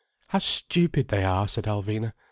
"How stupid they are," said Alvina.